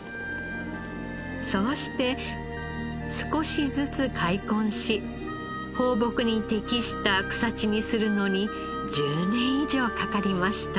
そうして少しずつ開墾し放牧に適した草地にするのに１０年以上かかりました。